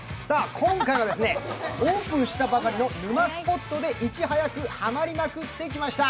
今回はオープンしたばかりの沼スポットでいち早くハマりまくってきました。